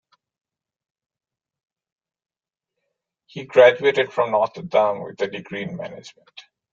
He graduated from Notre Dame with a degree in management.